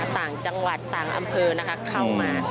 ต่างจังหวัดต่างอำเภอนะคะเข้ามา